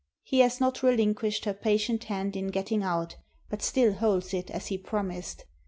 He has not relin quished her patient hand in getting out, but still holds it as he promised.